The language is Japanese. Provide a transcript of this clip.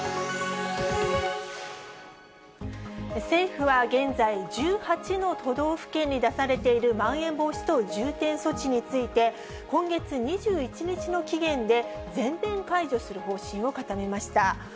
政府は現在、１８の都道府県に出されている、まん延防止等重点措置について、今月２１日の期限で全面解除する方針を固めました。